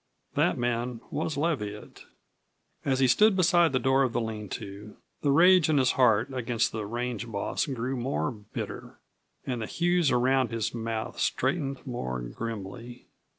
That man was Leviatt. As he stood beside the door of the lean to the rage in his heart against the range boss grew more bitter, and the hues around his mouth straightened more grimly.